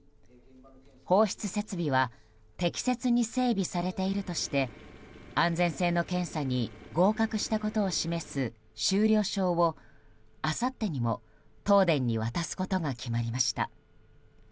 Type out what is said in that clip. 放出設備は適切に整備されているとして安全性の検査に合格したことを示す終了証をあさってにも東電に渡すことが決まりました。